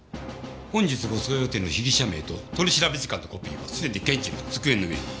本日護送予定の被疑者名と取り調べ時間のコピーはすでに検事の机の上に。